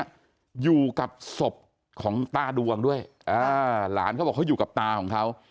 อยู่กับศพของตาดวงด้วยอ่าหลานเขาบอกเขาอยู่กับตาของเขา